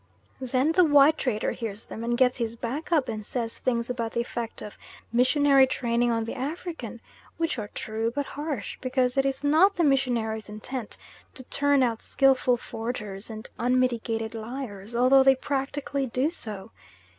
Then the white trader hears them, and gets his back up and says things about the effect of missionary training on the African, which are true, but harsh, because it is not the missionaries' intent to turn out skilful forgers, and unmitigated liars, although they practically do so.